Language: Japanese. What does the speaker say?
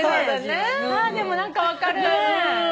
でも何か分かる。